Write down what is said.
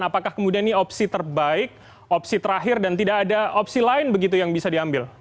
apakah kemudian ini opsi terbaik opsi terakhir dan tidak ada opsi lain begitu yang bisa diambil